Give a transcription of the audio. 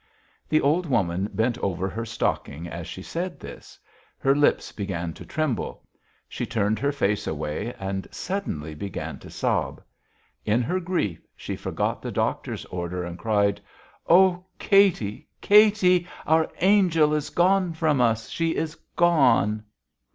The old woman bent over her stocking as she said this; her lips began to tremble; she turned her face away and suddenly began to sob. In her grief, she forgot the doctor's orders and cried: "Oh! Katy! Katy! Our angel is gone from us! She is gone!"